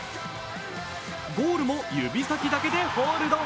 ゴールも指先だけでホールド。